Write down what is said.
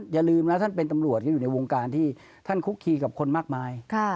อย่าลืมนะท่านเป็นตำรวจก็อยู่ในวงการที่ท่านคุกคีกับคนมากมาย